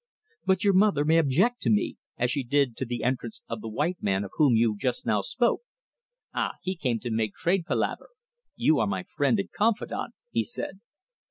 "But your mother may object to me, as she did to the entrance of the white man of whom you just now spoke." "Ah! he came to make trade palaver. You are my friend and confidant," he said.